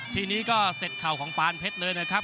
ทีนี้ก็เสร็จเข่าของปานเพชรเลยนะครับ